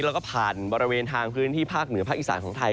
แล้วก็ผ่านบริเวณทางพื้นที่ภาคเหนือภาคอีสานของไทย